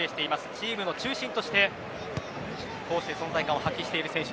チームの中心として攻守で存在感を発揮している選手。